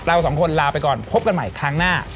เราสองคนลาไปก่อนพบกันใหม่ครั้งหน้า